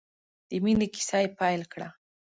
د مینې کیسه یې پیل کړه.